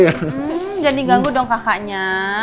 jangan diganggu dong kakaknya